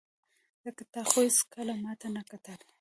ځکه تا خو هېڅکله ماته نه کتل.